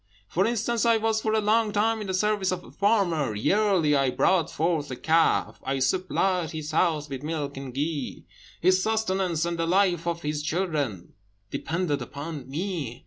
For instance, I was for a long time in the service of a farmer; yearly I brought forth a calf; I supplied his house with milk and ghee; his sustenance, and the life of his children, depended upon me.